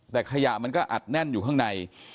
แต่ขยะมันก็อัดแน่นอยู่ข้างใน